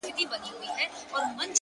را سهید سوی; ساقي جانان دی;